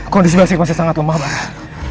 kondisi basir masih sangat lemah marah